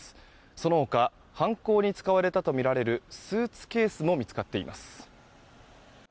その他、犯行に使われたとみられるスーツケースも見つかっています。